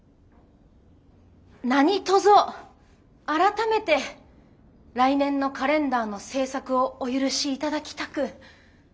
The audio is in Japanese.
何とぞ改めて来年のカレンダーの制作をお許し頂きたく。